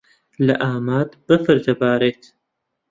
لە ئامەد بەفر دەبارێت.